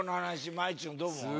まいちゅんどう思う？